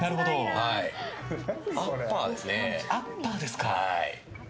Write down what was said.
アッパーですね。